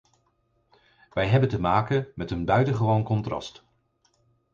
En we hebben te maken met een buitengewoon contrast.